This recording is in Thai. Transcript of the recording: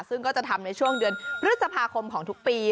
ซึ่งก็จะทำในช่วงเดือนพฤษภาคมของทุกปี